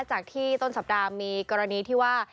จากที่ต้นสัปดาห์มีกรณีที่ว่า